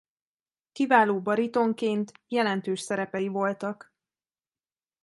Kiváló baritonként jelentős szerepei voltak.